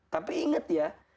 tapi ingat ya